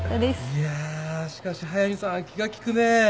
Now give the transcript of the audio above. いやしかし速見さんは気が利くね。